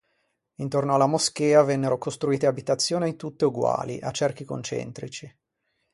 Intorno alla moschea vennero costruite abitazioni tutte uguali, a cerchi concentrici.